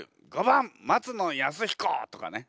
「５番松野靖彦」とかね。